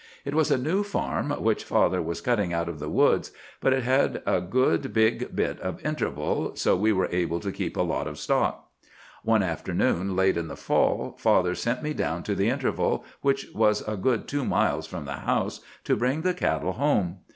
It was a new farm, which father was cutting out of the woods; but it had a good big bit of 'interval,' so we were able to keep a lot of stock. "One afternoon late in the fall, father sent me down to the interval, which was a good two miles from the house, to bring the cattle home.